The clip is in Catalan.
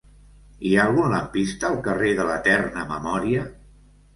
Hi ha algun lampista al carrer de l'Eterna Memòria?